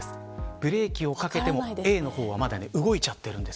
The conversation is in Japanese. ブレーキをかけても、Ｂの方はまだ動いちゃっているんです